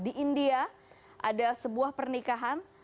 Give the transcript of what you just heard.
di india ada sebuah pernikahan